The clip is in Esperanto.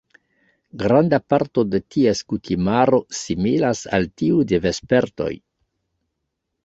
Granda parto de ties kutimaro similas al tiu de vespertoj.